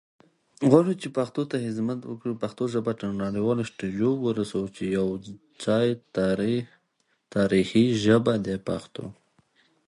بلل کیږي چي مرغان زه یې پاچا یم